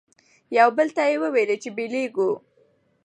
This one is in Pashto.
یوه بل ته یې ویله چي بیلیږو